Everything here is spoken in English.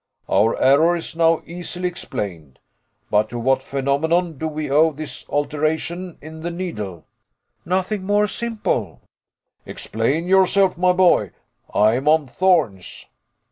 "Our error is now easily explained. But to what phenomenon do we owe this alteration in the needle?" "Nothing more simple." "Explain yourself, my boy. I am on thorns."